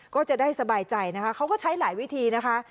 ก็จะได้สบายใจนะคะเขาก็ใช้หลายวิธีนะคะ